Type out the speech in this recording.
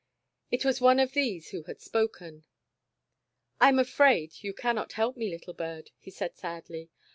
It was one of these who had spoken. "I am afraid you cannot help me, little bird," he said, sadly.